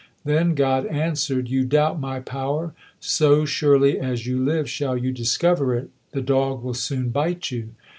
Then God answered, "You doubt My power; so surely as you live shall you discover it; the dog will soon bite you."